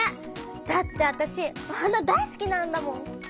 だってあたしお花大すきなんだもん！